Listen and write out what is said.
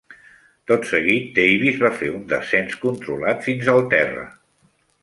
Tot seguit, Davis va fer un descens controlat fins al terra.